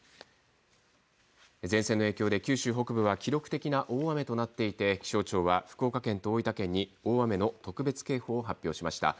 前線の影響で、九州北部は記録的な大雨となっていて気象庁は福岡県と大分県に大雨の特別警報を発表しました。